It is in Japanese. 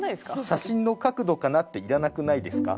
「写真の角度かな？」っていらなくないですか。